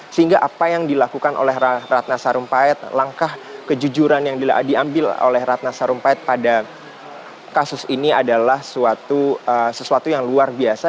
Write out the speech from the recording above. sehingga apa yang dilakukan oleh ratna sarumpait langkah kejujuran yang diambil oleh ratna sarumpait pada kasus ini adalah sesuatu yang luar biasa